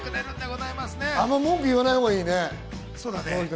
あまり文句を言わないほうがいいね。